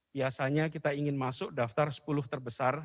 biasanya kita ingin masuk daftar sepuluh terbesar